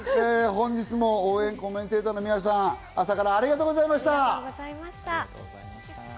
本日も応援コメンテーターの皆さん、朝からありがとうございました。